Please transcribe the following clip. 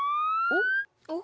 おっ！